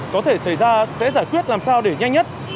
có thể xảy ra sẽ giải quyết làm sao để nhanh nhất